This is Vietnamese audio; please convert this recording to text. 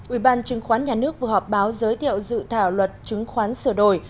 ủy ban chứng khoán nhà nước vừa họp báo giới thiệu dự thảo luật chứng khoán sửa đổi